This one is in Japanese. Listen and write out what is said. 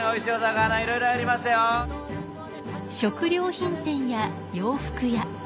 食料品店や洋服屋。